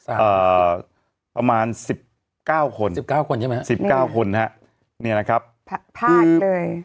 อ่าประมาณสิบเก้าคนสิบเก้าคนใช่ไหมฮะสิบเก้าคนฮะเนี่ยนะครับภาพเลย